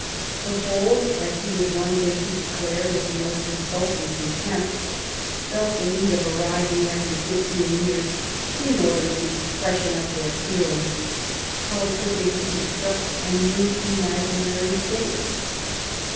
The Poles, as he was one day to declare with the most insulting contempt, felt the need of a rising every fifteen years, " in order to freshen up their E 65 Bismarck feelings "; how could they reconstruct a " new imaginary State